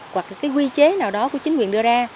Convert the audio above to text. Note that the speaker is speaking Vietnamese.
hoặc cái quy chế nào đó của chính quyền đưa ra